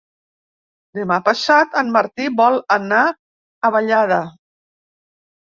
Demà passat en Martí vol anar a Vallada.